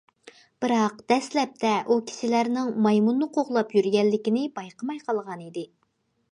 بىراق، دەسلەپتە ئۇ كىشىلەرنىڭ مايمۇننى قوغلاپ يۈرگەنلىكىنى بايقىماي قالغان ئىدى.